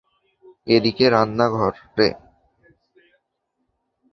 এদিকে, রান্নাঘরে।